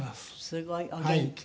すごい。お元気。